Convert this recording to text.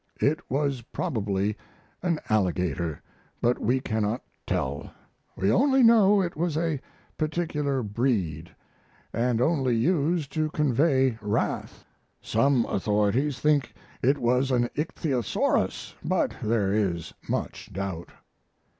It was probably an alligator, but we cannot tell; we only know it was a particular breed, and only used to convey wrath. Some authorities think it was an ichthyosaurus, but there is much doubt.